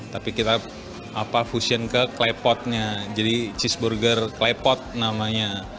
tapi kita fusion ke klepotnya jadi cheeseburger klepot namanya